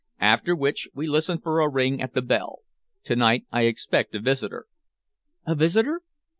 After which we listen for a ring at the bell. To night I expect a visitor." "A visitor?"